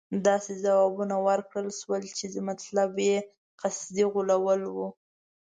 داسې ځوابونه ورکړل شول چې مطلب یې قصدي غولول وو.